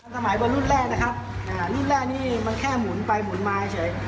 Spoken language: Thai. สมัยบนรุ่นแรกนะครับรุ่นแรกนี่มันแค่หมุนไปหมุนมาเฉย